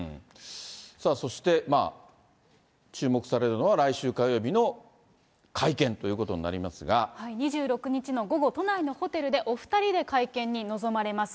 さあ、そして、注目されるのは来週火曜日の会見ということに２６日の午後、都内のホテルでお２人で会見に臨まれます。